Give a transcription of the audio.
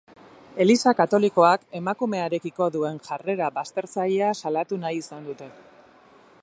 Eliza katolikoak emakumearekiko duen jarrera baztertzailea salatu nahi izan dute.